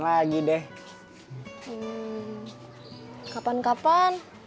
lagi deh kapan kapan